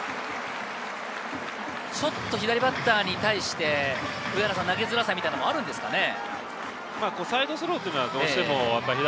ちょっと左バッターに対して、上原さん、投げづらさみたいなのはあるんでしょうかね。